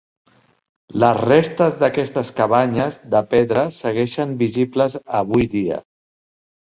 Les restes d'aquestes cabanyes de pedra segueixen visibles avui dia.